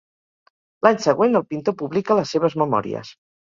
L'any següent el pintor publica les seves memòries.